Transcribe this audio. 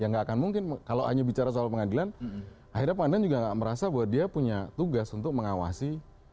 yang tidak akan mungkin kalau hanya bicara soal pengadilan akhirnya bukan merasa bahwa dia punya tugas untuk mengawasi